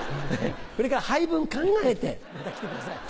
配分考えてまた来てください。